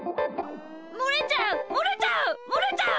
もれちゃうもれちゃうもれちゃう！